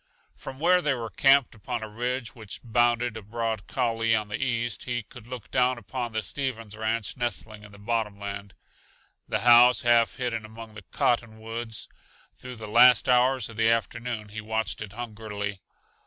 From where they were camped upon a ridge which bounded a broad coulee on the east, he could look down upon the Stevens ranch nestling in the bottomland, the house half hidden among the cottonwoods. Through the last hours of the afternoon he watched it hungrily.